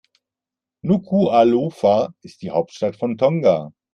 Nukuʻalofa ist die Hauptstadt von Tonga.